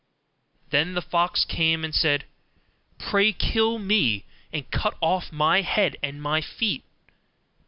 Then the fox came, and said, 'Pray kill me, and cut off my head and my feet.